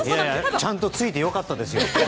ちゃんと画面がついて良かったですよ。